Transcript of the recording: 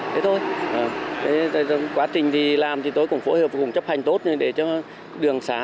thế thôi quá trình làm tôi cũng phối hợp và chấp hành tốt để cho đường xá